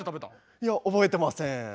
いや覚えてません。